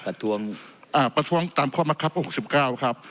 ประท้วงอ่าประท้วงตามข้อมักครับหกสิบเก้าครับ